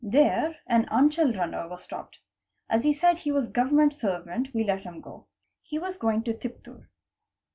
'There an Anchel runner was stopped. As he said he was Government servant we let him go. He was going to Tiptur.